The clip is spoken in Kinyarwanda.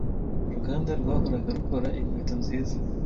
Uruganda rwahoraga rukora inkweto nziza.